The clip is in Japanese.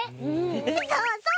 そうそう！